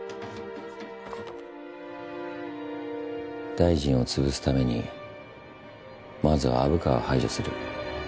大臣を潰すためにまずは虻川を排除する。